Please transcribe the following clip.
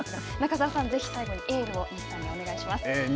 中澤さん、ぜひ最後にエールをお願いします。